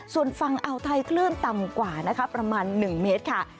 ส่วนฝั่งอ่าวไทยคลื่นต่ำกว่านะคะประมาณ๑เมตรค่ะ